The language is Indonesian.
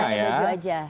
nggak hanya baju aja